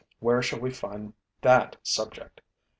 Where shall we find that subject?